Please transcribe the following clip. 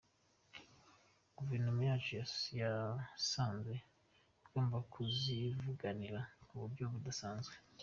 Guverinoma yacu yasanze igomba kuzivuganira ku buryo budasanzwe.